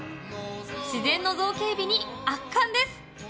自然の造形美に圧巻です。